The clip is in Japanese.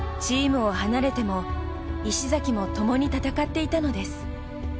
チームを離れても石崎も共に戦っていたのです。